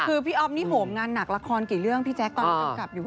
คือพี่อ๊อฟนี่โหมงานหนักละครกี่เรื่องพี่แจ๊คตอนนี้กำกับอยู่